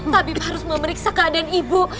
habib harus memeriksa keadaan ibu